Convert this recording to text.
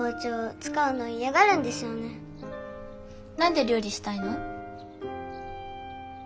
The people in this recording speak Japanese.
何で料理したいの？